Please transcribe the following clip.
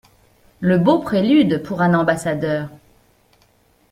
Le beau prélude pour un ambassadeur !